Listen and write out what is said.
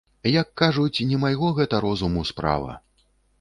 Як кажуць, не майго гэта розуму справа.